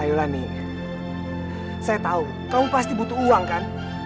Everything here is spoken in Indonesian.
ayolah nih saya tahu kamu pasti butuh uang kan